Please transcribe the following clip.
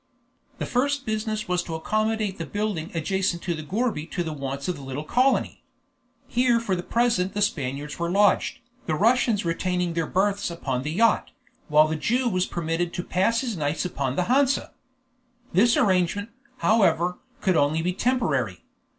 The first business was to accommodate the building adjacent to the gourbi to the wants of the little colony. Here for the present the Spaniards were lodged, the Russians retaining their berths upon the yacht, while the Jew was permitted to pass his nights upon the Hansa. This arrangement, however, could be only temporary.